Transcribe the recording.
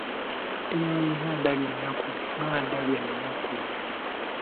Eeh nga ndabye ennaku, nga ndabye ennaku.